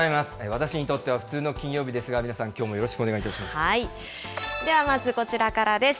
私にとっては普通の金曜日ですが、皆さんきょうもよろしくお願いします。